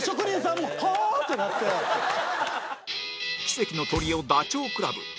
奇跡のトリオダチョウ倶楽部